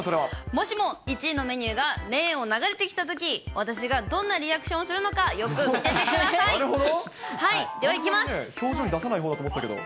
もしも１位のメニューがレーンを流れてきたとき、私がどんなリアクションをするのか、よく見なるほど。